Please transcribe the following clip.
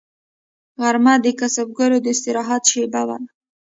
غرمه د کسبګرو د استراحت شیبه ده